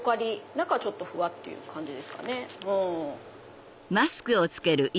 中ふわっていう感じですかね。